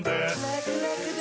ラクラクだ！